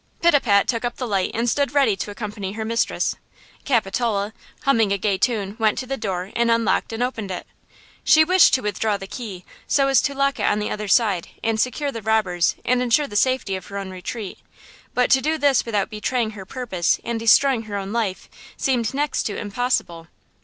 Pitapat took up the light and stood ready to accompany her mistress, Capitola, humming a gay tune, went to the door and unlocked and opened it. She wished to withdraw the key, so as to lock it on the other side and secure the robbers and insure the safety of her own retreat; but to do this without betraying her purpose and destroying her own life seemed next to impossible.